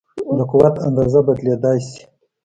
د قوت اندازه بدلېدای شي.